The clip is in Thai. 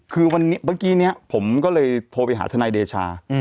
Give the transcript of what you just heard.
คือวัคคีเนี๊ยผมก็เลยตอบไปหาทนัยเดชา